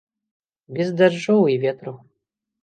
Без дажджоў і ветру.